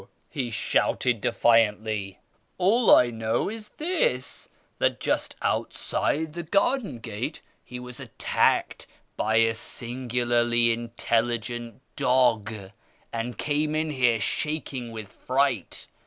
he shouted defiiintly ; "all 1 know is this, that just outside the garden gate he was attacked by a singularly intelligent dog, and came in liere shaking with fright.